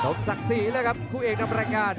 สมศักดิ์ศรีแล้วครับคู่เอกนำรายการ